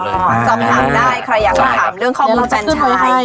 อ่าาาาสำหรับใครอยากถามเรื่องข้อมูลแฟนไตร์